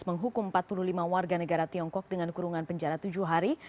menghukum empat puluh lima warga negara tiongkok dengan kurungan penjara tujuh hari